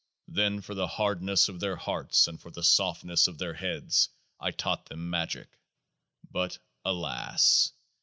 Then for the hardness of their hearts, and for the softness of their heads, I taught them Magick. But alas